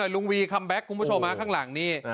ลุงวีคัมแบ็คคุณผู้ชมข้างหลังนี่